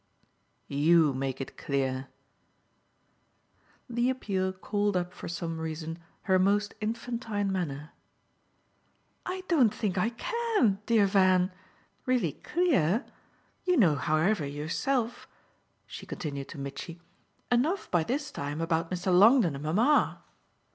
"YOU make it clear." The appeal called up for some reason her most infantine manner. "I don't think I CAN, dear Van really CLEAR. You know however yourself," she continued to Mitchy, "enough by this time about Mr. Longdon and mamma."